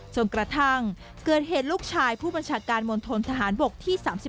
จนกระทั่งเกิดเหตุลูกชายผู้บัญชาการมณฑนทหารบกที่๓๑